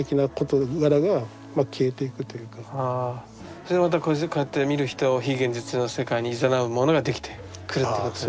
それがまたこうやって見る人を非現実の世界にいざなうものができてくるっていうことですかね。